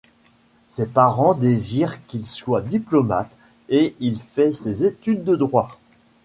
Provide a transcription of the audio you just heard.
Ses parents désirent qu'il soit diplomate et il fait ses études de droit.